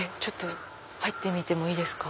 入ってみてもいいですか？